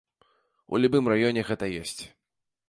У любым раёне гэта ёсць.